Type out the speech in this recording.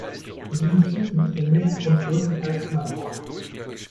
In diesen Tiefen ist der Meeresgrund größtenteils unerforscht.